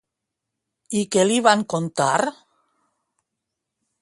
I què li van contar?